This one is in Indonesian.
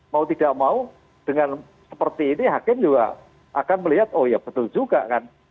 mau tidak mau dengan seperti ini hakim juga akan melihat oh ya betul juga kan